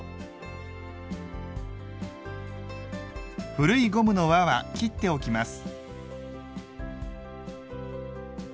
古いゴムの輪は切っておきます。